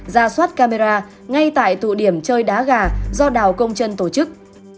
ra soát camera ngay tại tụ điểm chơi đá gà do đào công trân tổ chức